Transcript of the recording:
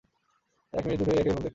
এক মিনিট দুটোই একই রকম দেখতে।